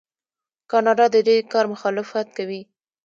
کاناډا د دې کار مخالفت کوي.